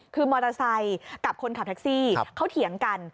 คือมอเตอร์ไซค์กับคนขับแท็กซี่เขาเถียงกัน